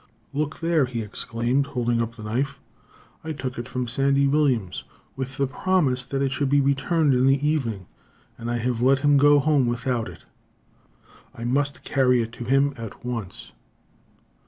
"Look there!" he exclaimed, holding up the knife. "I took it from Sandy Williams, with the promise that it should be returned in the evening, and I have let him go home without it. I must carry it to him at once."